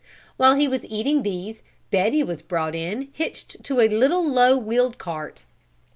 While he was eating these Betty was brought in hitched to a little low wheeled cart.